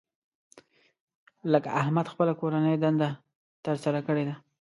لکه احمد خپله کورنۍ دنده تر سره کړې ده.